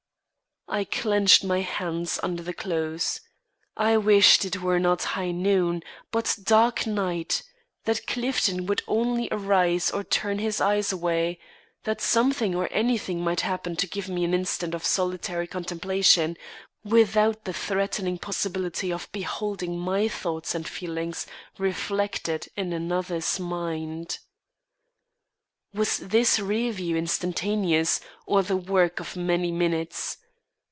I clenched my hands under the clothes. I wished it were not high noon, but dark night; that Clifton would only arise or turn his eyes away; that something or anything might happen to give me an instant of solitary contemplation, without the threatening possibility of beholding my thoughts and feelings reflected in another's mind. Was this review instantaneous, or the work of many minutes?